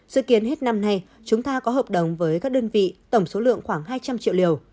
dự kiến hết năm nay chúng ta có hợp đồng với các đơn vị tổng số lượng khoảng hai trăm linh triệu liều